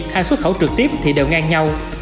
hay xuất khẩu trực tiếp thì đều ngang nhau